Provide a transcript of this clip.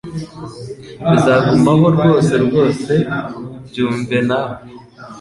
Bizagumaho rwose rwose byumve nawe